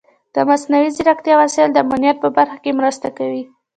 د مصنوعي ځیرکتیا وسایل د امنیت په برخه کې مرسته کوي.